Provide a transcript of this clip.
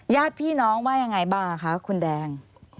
ญาติพี่น้องว่ายังไงบ้างคะคุณแดง